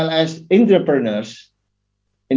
dan juga pemain emperial